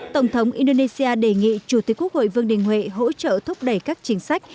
tổng thống indonesia đề nghị chủ tịch quốc hội vương đình huệ hỗ trợ thúc đẩy các chính sách